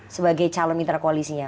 sebagai calon interkoalisinya